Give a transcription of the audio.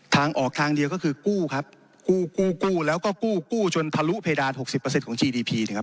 ทางออกทางเดียวก็คือกู้ครับกู้กู้กู้แล้วก็กู้กู้จนทะลุเพดานหกสิบเปอร์เซ็นต์ของจีดีพีนะครับ